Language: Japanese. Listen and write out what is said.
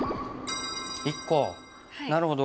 なるほど。